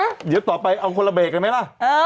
อี๋หยมต่อไปเอาคนละเบรกหน่อยไหมล่ะ